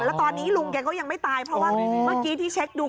แล้วตอนนี้ลุงแกก็ยังไม่ตายเพราะว่าเมื่อกี้ที่เช็คดู